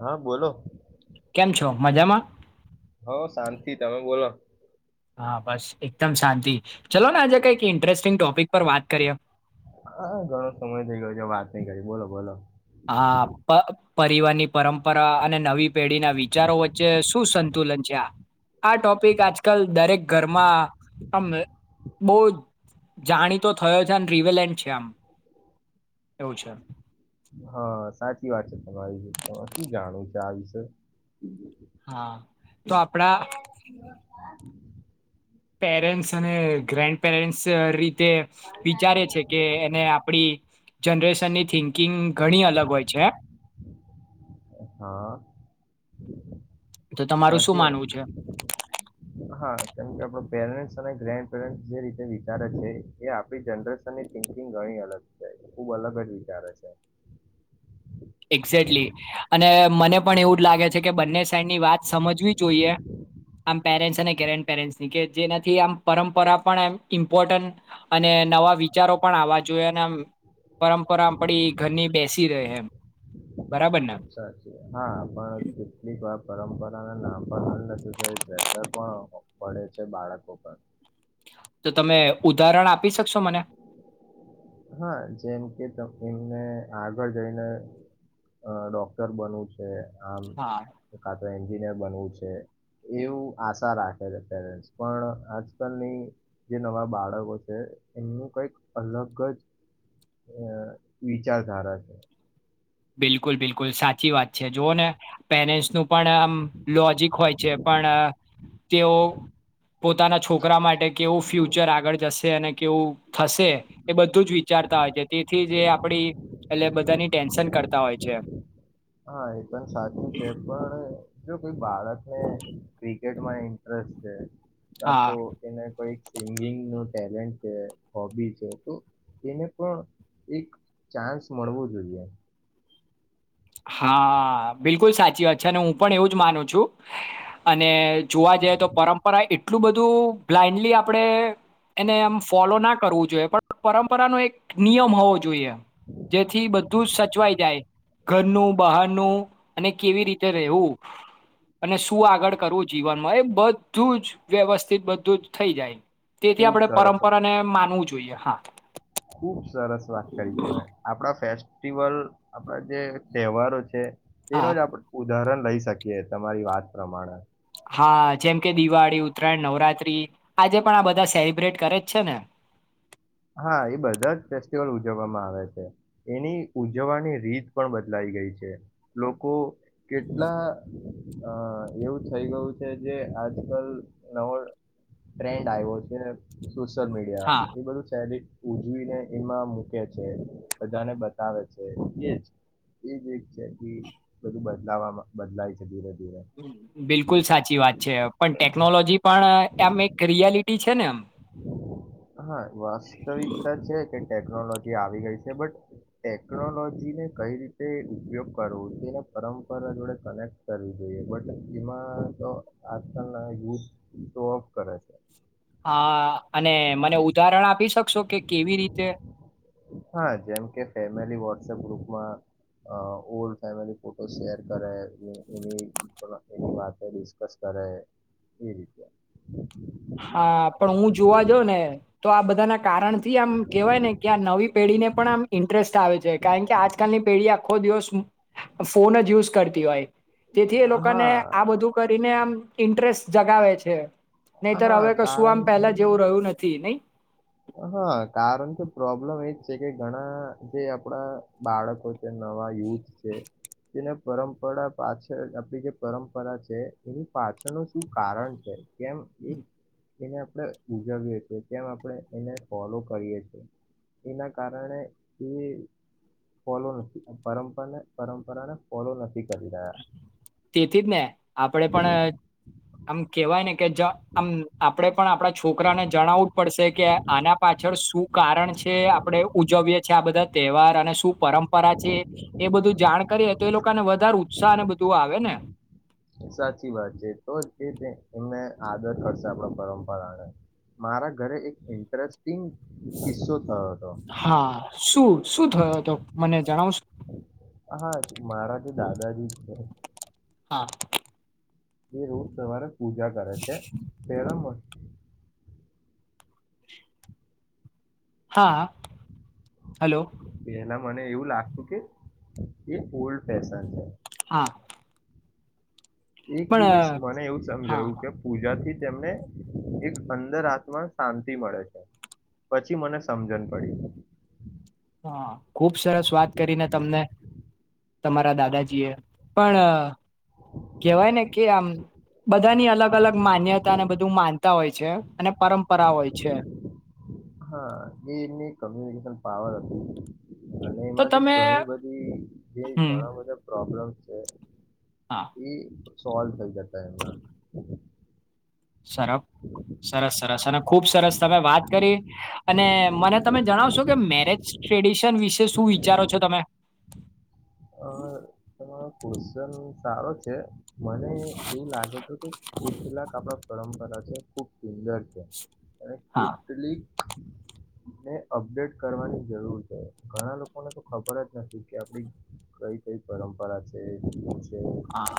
હા બોલો કેમ છો મજામાં? હ શાંતિ તમે બોલો? હા બસ એકદમ શાંતિ ચલો ને આજે કઈક ઇન્ટરેસ્ટિંગ ટોપિક પર વાત કરીએ હા ઘણો સમય થઈ ગયો છે વાત નઈ કરી બોલો બોલો હા પ પરિવારની પરંપરા અને નવી પેઢીના વિચારો વચ્ચે શું સંતુલન છે આ આ ટોપિક આજકાલ દરેક ઘરમાં આમ બો જાણીતો થયો છે અને રવેલેન્ટ છે આમ એવું છે. હા સાચી વાત છે તમારી શું જાણવું છે આ વિશે હા તો આપડા પેરેન્ટ્સ અને ગ્રાન્ડ પેરેન્ટ્સ રી તે વિચારે છે કે એને આપડી જનરેશનની થિંકિંગ ઘણી અલગ હોય છે. હા. તો તમારું શું સાચી વાત માનવું છે? હા કેમ કે આપણ પેરેન્ટ્સ અને ગ્રેન્ડ પેરેન્ટસ જે રીતે વિચારે છે એ આપણી જનરેશનની થિંકિંગ ઘણી અલગ છે ખુબ અલગ જ વિચારે છે. એક્ઝેક્ટલી અને મને પણ એવું જ લાગે છે કે બંને સાઈડની વાત સમજવી જોઈએ આમ પેરેન્ટ્સ અને ગ્રેન્ડ પેરેન્ટ્સની કે જેનાથી આમ પરંપરા પણ એમ ઈમ્પોર્ટન્ટ અને નવા વિચારો પણ આવવા જોઈએ. અને આમ પરંપરા આપણી ઘરની બેસી રહે એમ. બરાબર ને સાચી હા પણ કેટલીક વાર પરંપરાના નામ પણ તો પ્રેશર પણ પડે છે બાળકો પર. તો તમે ઉદાહરણ આ હા જેમ કે તમને આગળ જઈને ડોક્ટર બનવું આમ હા [unintelligible] એન્જિનિયર બનવું છે એવું આશા રાખે છે પેરેન્ટ્સ પણ આજકાલની જે નવા બાળકો છે એમનું કંઈક અલગ જ વિચારધારા છે. બિલકુલ બિલકુલ સાચી વાત છે જુઓ ને પેરેન્ટસનું પણ આમ લોજિક હોય છે પણ તેઓ પોતાના છોકરા માટે કેવું ફ્યુચર આગળ જશે અને કેવું થશે એ બધું જ વિચારતા હોય છે તેથી જે આપણી એટલે બધાની ટેન્શન કરતા હોય છે. હા એ પણ સાચું છે. પણ જો કોઈ બાળકને ક્રિકેટમાં ઇન્ટરેસ્ટ છે. કા હા તો એને કોઈક સિંગિંગ નું ટેલેન્ટ છે હોબી છે તો એને પણ એક ચાન્સ મળવો જોઈએ. હા બિલકુલ સાચી વાત છે અને હું પણ એવું જ માનું છું અને જોવા જઈએ તો પરંપરા એટલું બધું બ્લાઈન્ડલી આપણેે એને એમ ફોલો ના કરવું જોઈએ પણ પરંપરાનો એક નિયમ હોવો જોઈએ. જેથી બધું જ સચવાઈ જાય. ઘરનું બહારનું અને કેવી રીતે રહેવું અને શું આગળ કરવું જીવનમાં એ બધું જ વ્યવસ્થિત બધું જ થઈ જાય. તેથી ખુબ આપણે સરસ પરંપરાને માનવું જોઈએ. જોઈએ હા. [inaudible] સરસ વાત કરી આપણા ફે સ્ટિવલ આપણા જે તહેવારો છે. હા તેનો જ આપડે ઉદાહરણ લઈ શકીએ તમારી વાત પ્રમાણે હા જેમ કે દિવાળી ઉતરાયણ નવરાત્રી આજે પણ આ બધા સેલિબ્રેટ કરે જ છે ને હા એ બધા જ ફેસ્ટિવલ ઉજવવામાં આવે છે એની ઉજવવાની રીત પણ બદલાઈ ગઈ છે લોકો કેટલા અ એવું થઈ ગયું છે જે આજ કલ નવો ટ્રેન્ડ આવ્યો છે ને સોશિયલ મીડિયા હા એ બધું ઉજવીને એમાં મૂકે છે બધાને બતાવે છે એ એજ એક છે બધું બદલા બદલાય છે ધીરે ધીરે બિલકુલ સાચી વાત છે પણ ટેકનોલોજી પણ આમ એક રિયાલિટી છે ને એમ હા વાસ્તવિકતા છે જ. કે ટેકનોલોજી આવી ગઈ છે બટ ટેકનોલોજીને કઈ રીતે ઉપયોગ કરવો એને પરંપરા જોડે કનેક્ટ કરવી જોઈએ બટ એમાં તો આજકાલના યુથ શો ઓફ કરે છે. હા અને મને ઉદાહરણ આપી શકશો કે કેવી રીતે હા જેમ કે ફેમિલી વોટસઅપ ગ્રુપમાં ઓલ્ડ ફેમિલી ફોટો શેર કરે એ એની વા ડિસ્કસ કરે એ રીતે હા પણ હું જોવા જ ને તો આ બધા બધાના કારણથી આમ કહેવાય ને કે આ નવી પેઢીને પણ આમ ઇન્ટરેસ્ટ આવે છે કારણ કે આજકાલની પેઢી આ આખો દિવસ ફોન જ યુઝ કરતી હોય તેથી એ હા લોકોને આ બધું કરીને આમ ઇન્ટરેસ્ટ જગાવે છે. નહીતર હા હવે કશું આમ કારણ કે પેલા જેવું રહ્યું નથી નહી હા કારણ કે પ્રોબ્લેમ એજ છે કે ઘણા જે આપણા બાળકો જે નવા યુથ છે જેને પરંપરા પાછળ આપણી જે પરંપરા છે એની પાછળનું શું કારણ છે કેમ એક એને આપણે ઉજવીએ છીએ કેમ આપણે એને ફોલો કરીએ છે એના કારણે એ ફોલો નથી પરંપરાને પરંપરાને ફોલો નથી કરી રહ્યા. તેથી જ ને આપડે પણ આમ કેવાય ને. કે જ આમ આપડે. પણ આપણા છોકરાને જણાવું. પડ કે આના પાછળ શું કારણ છે આપણે ઉજવીએ છી આ બધા તહેવાર અને શું પરંપરા છે એ બધું જાણ કરીએ તો એ લોકોને વધારે ઉત્સાહ અને. તું આવે ને. સાચી વાત છે તો એમને આદર કરશે આપણા પરંપરાને મારા ઘરે એક ઇન્ટરેસ્ટ. હા શું શું થયો હતો મને જણાવશો. હા મારા તો દાદાજી છે. હા. એ ઉર તોવાર. પૂજા કરે છે તેરમ વષ. હા. હલો પેલા મને એવું લાગતું કે. એ ઓલ્ડ ફેશન છે. હા એક દિવસ પણ મને એવું હા સમજાવ્યું કે પૂજા થી. ને એક અંદર આાત્મા શાંતિ મળે છે પછી મને સમજણ પડી. હા ખુબ સરસ વાત કરીને તમને તમારા દાદાજી એ પણ કેહેવાય ને કે આમ બધાની અલગ અલગ માન્યતાને બધું માનતા હોય છે અને પરંપરા હોય છે. હા એ એમની કોમ્યુનિકેશન પાવર હતી. અને તો એમાંથી તમે ઘણી બધી જે હમ ઘણા બધા પ્રોબ્લેમ. છે. હા [inaudible] સોલ્વ થઈ જતા એમના. સરસ સરસ સરસ અને ખુબ સરસ તમે વાત કરી અને મને તમે જણાવશો કે મેરેજ ટ્રેડિશન વિશે શું વિચારો છો તમે. ક્વેશચન સારો છે મને એવું લાગે છે કે કેટલાક આપણા પરંપરા છે ખુબ સંદર છે. એ હા કેથલિક. ને અપડેટ કરવાની જરૂર છે ઘણા લોકોને તો ખબર જ નથી કે આપડી કઈ કઈ પરંપરા. છે તે. હા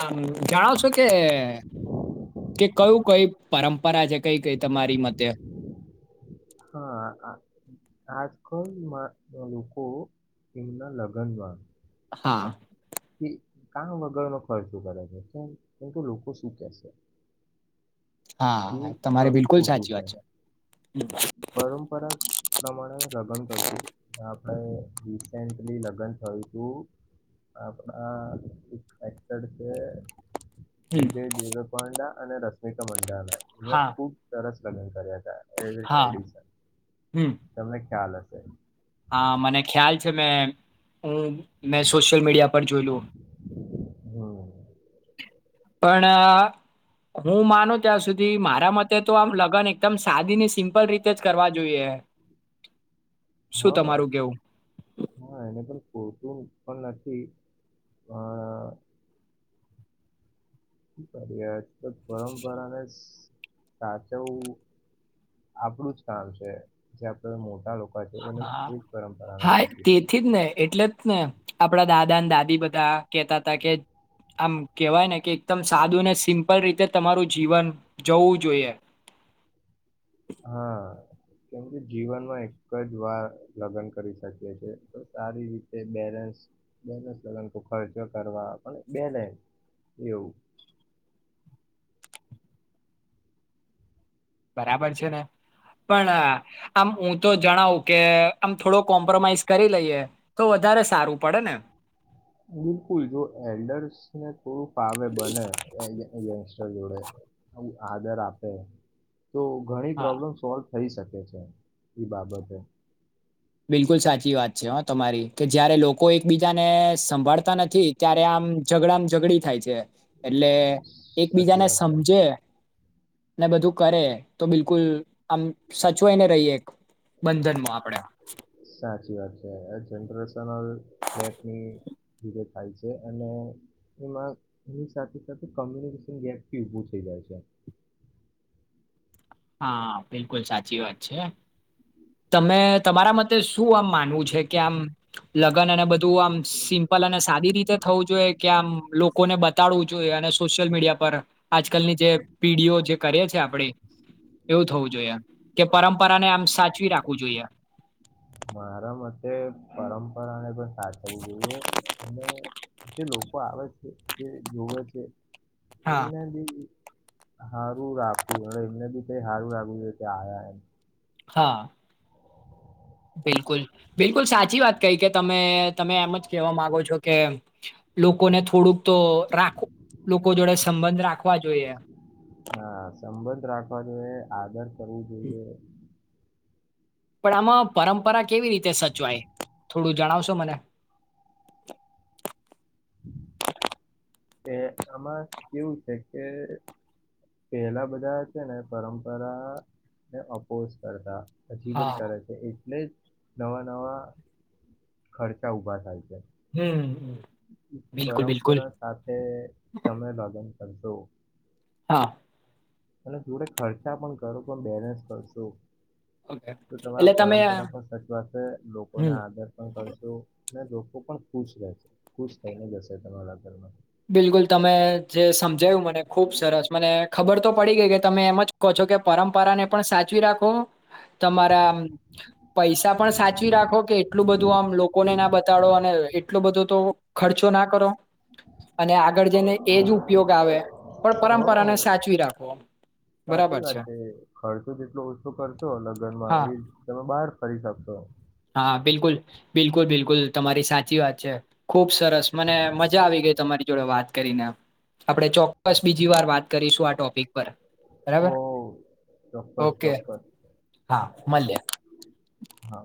આ જાણાવ છો કે કે કયું કઈ. [inaudible] પરા છે કઈ કઈ તમારી મતે. હા આજકાલ લોકો એમના લગ્નમાં. હા. કે કામ વગર ન ખર્ચો કરે છે કેમ કેમ કે લોકો શું કેશે. એ હા તમારી કરવું બિલકુલ ખોટું સાચી વાત છે. પરંપરા. નામણે. લગન કરશું અને રિસેન્ટલી લગ્ન થયું હતું આપણા એક એક્ટર છે હમ વિજય દેવપાંડા અને રશમિકા મંડ એ હા ખુબ સરસ લગન કરિયા હતા હા હમ [unintelligible] ખ્યાલ હશે હા મને ખ્યાલ છે મેં હું મેં સોશિયલ મીડિયા પર જોયલું હમ્મ પણ હું માનું ત્યાં સુધી મારા મતે તો આમ લગ્ન એકદમ સાદી ને સિમ્પલ રીતે જ કરવા જોઈએ શું હા તમારું કેવું? હા એને પણ [unintelligible] પણ નથી કરીએ આજલ પરંપરાને સાચવું આપડું જ કામ છે જે આપડે મોટા લોકો છે એને હા એજ પરંપરાને હા સાચવી શકે તેથી જ ને એટલે જ ને આપડા દાદા ને દાદી બધા કેતા હતા કે આમ કેવાય ને કે એકદમ સાદું ને સિમ્પલ રીતે તમારું જીવન જવું જોઈએ. હા કેમ કે જીવનમાં એક જ વાર લગ્ન કરી શકી છે તો સારી રીતે બેલેન્સ બેલેન્સ લગન તો ખર્ચ કરવા પણ બેલેન્સ એવું. બરાબર છે ને પણ આમ હું તો જણાવું કે આમ થોડો કોમ્પ્રોમાઈઝ કરી લઈએ તો વધારે સારું પડે ને. બિલકુલ જો એલ્ડર્સ ને થોડું પાવે બનેય [unintelligible] જોડે એવુ આદર આપે. તો ઘણી હા પ્રોબ્લેમ સોલ્વ થઈ શકે છે એ બાબતે. બિલકુલ સાચી વાત છે હ તમારી કે જયારે લોકો એકબીજાને સંભાળતા નથી ત્યારે આમ ઝઘડામાં ઝઘડી થાય છે. એટલે સાચી એકબીજાને વાત છે સમજે ને બધું કરે તો બિલકુલ આમ સચવાઈને રહીએ બંધનમાં આપડે. સાચી વાત છે આ જનરેશન [unintelligible] થાય છે અને એમાં એની સાથે સાથે કોમ્યુનિકેશન ગેપી ઉભું થઈ જાય છે. હા બિલકુલ સાચી વાત છે તમે તમારા મતે શું આમ માનવું છે કે આમ લગ્ન અને બધ ધું આમ સિમ્પલ અને સાદી રીતે થવું જોઈએ? કે આમ લોકોને બતાડવું જોઈએ અને સોશિયલ મીડિયા પર આજકાલની જે પીઢીઓ જે કરે છે આપડી એવું થવું જોઈએ કે પરંપરાને આમ સાચવી રાખવું જોઈએ. મારા મતે પરંપરાને પણ સાચવવું જોઈએ અને જે લોકો આવે છે જે જોવે છે. હા. એમના દી હારું રાખું અને એમને બી હારું રાખું એ કે આયા એમ. હા. બિલકુલ બિલકુલ સાચી વાત કઈ કે તમે તમે એમ જ કેવા માંગો છો કે લોકોને થોડુંક તો રાખ લોકો જોડે સંબંધ રાખવા જોઈએ. હા સંબંધ રાખવા જોઈએ આદર કરવું જોઈએ. પણ આમાં પરંપરા કેવી રીતે સચવાય થોડું જણાવશો મને? [inaudible] એ આમાં કેવું છે કે પેલા બધા છે ને પરંપરા ને અપોષ કરતા. અજીવન હા કરે છે એ ને નવા નવા ખર્ચા ઊભા થાય છે. હમ. બિલકુલ બિલકુલ પરંપરા સાથે સમય ભાગન. સંંતો. હા. અને થોડું ખર્ચા પણ કરો પણ બેલેન્સ કરશો. ઓકે તો તમારા એટલે તમે પરંપરા પણ સચવાશે લોકોને હમ આદર પણ કરશું. ને લોકો પણ ખુશ રહે છે ખુશ થઈને જશે તમારા ઘરમાં. બિલકુલ તમે જે સમજાયું મ ખુબ સરસ મ ખબર તો પડી ગઈ કે તમે એમ જ કહો છો કે પરંપરા ને પણ સાચવી રાખો તમારા પૈસા પણ સાચવી રાખો કે એટલું બધું આમ લોકોને ના બતાડો અને એટલો બધો તો ખર્ચો ના કરો. અને આગળ જઈને એજ ઉપયોગ આવે, હ પણ પરંપરાને સાચવી રાખો, સાચી બરાબર વાત છે. ખર્ચો જેટલો ઓછો કરશો લગ્નમાં હા, એ તમે બહાર ફરી શકશો હા બિલકુલ. બિલકુલ-બિલકુલ. તમારી સાચી વાત છે. ખુબસ રસ, મને મજા આવી ગઈ તમારી વાત કરીને એમ. આપણે ચોક્કસ બીજી વાર વાત કરીશું આ ટોપિક પર. બરાબર! ઓહ ચોક્કસ ઓકે, ચોક્કસ હા મલીએ. હા